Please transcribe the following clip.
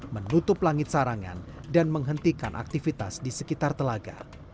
menutup langit sarangan dan menghentikan aktivitas di sekitar telaga